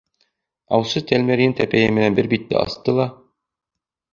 Аусы Тәлмәрйен тәпәйе менән бер битте асты ла: